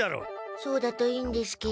そうだといいんですけど。